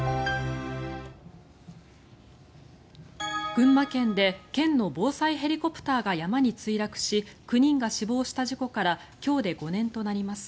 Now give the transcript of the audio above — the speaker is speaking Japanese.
群馬県で県の防災ヘリコプターが山に墜落し９人が死亡した事故から今日で５年となります。